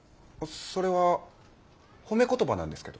それは褒め言葉なんですけど。